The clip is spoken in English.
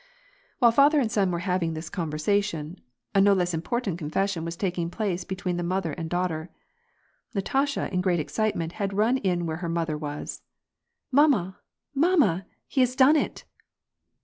While father and son were having this conversation, a no less important confession was taking place between the mother aod daughter. Natasha, in great excitement, had run in where her mother was. '^ Mamma ! mamma ! He has done it